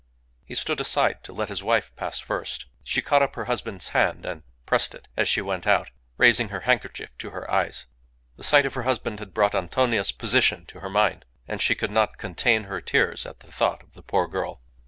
He stood aside to let his wife pass first. She caught up her husband's hand and pressed it as she went out, raising her handkerchief to her eyes. The sight of her husband had brought Antonia's position to her mind, and she could not contain her tears at the thought of the poor girl.